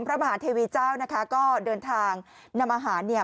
พระมหาเทวีเจ้านะคะก็เดินทางนำอาหารเนี่ย